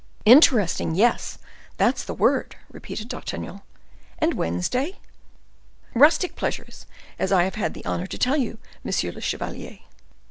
"Interesting! yes, that's the word," repeated D'Artagnan. "And Wednesday?" "Rustic pleasures, as I have had the honor to tell you, monsieur le chevalier.